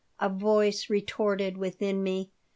a voice retorted within me.